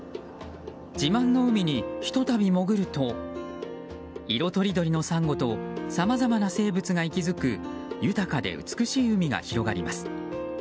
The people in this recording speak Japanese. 自慢の海にひとたび潜ると色とりどりのサンゴとさまざまな生物が息づく豊かで美しい海が広がります。